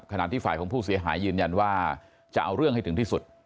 ที่ฝ่ายของผู้เสียหายยืนยันว่าจะเอาเรื่องให้ถึงที่สุด